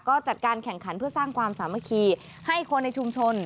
ก็จัดการแข่งขันเพื่อสร้างความสามัคคีให้คนในชุมชน